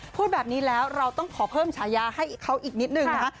พูดแบบนี้แล้วเราต้องขอเพิ่มฉายาให้เขาอีกนิดนึงนะคะ